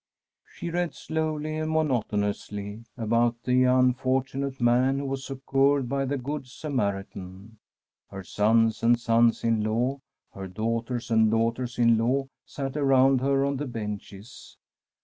She read slowly and monotonously about the unfortunate man who was succoured by the good Samaritan. Her sons and sons in law, her daughters and daughters in law, sat around her on the benches.